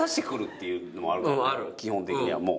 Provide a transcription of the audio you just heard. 基本的にはもう。